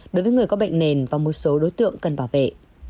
đối với người có bệnh nền và một số đối tượng cần bảo vệ